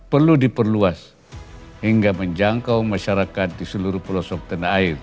perlu diperluas hingga menjangkau masyarakat di seluruh pelosok tanah air